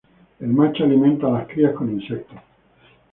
El macho alimenta a las crías con insectos.